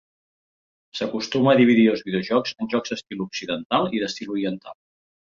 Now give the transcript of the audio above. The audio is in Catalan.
S'acostuma a dividir els videojocs en jocs d'estil occidental i d'estil oriental.